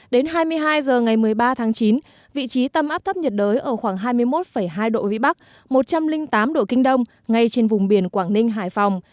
đến hai mươi hai h ngày một mươi ba tháng chín vị trí tâm áp thấp nhiệt đới ở khoảng hai mươi một hai độ vĩ bắc một trăm linh tám độ kinh đông ngay trên vùng biển quảng ninh hải phòng